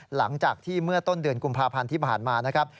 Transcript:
หลังจากที่เมื่อต้นเดือนกุมภาพันธ์ที่ผ่านมานะครับ